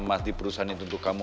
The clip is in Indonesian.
emas di perusahaan itu untuk kamu